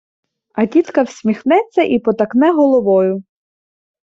А тітка всміхнеться й потакне головою.